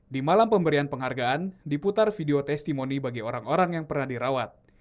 di malam pemberian penghargaan diputar video testimoni bagi orang orang yang pernah dirawat